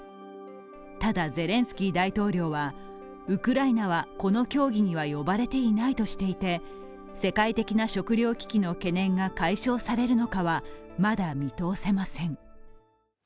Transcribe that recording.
ただゼレンスキー大統領は、ウクライナはこの協議には呼ばれていないとしていて世界的な食糧危機の懸念が解消されるのかはまだ見通せません。